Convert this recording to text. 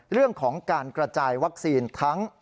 เรื่องของการกระจายวัคซีนทั้ง